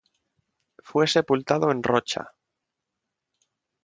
Fue sepultado en Rocha.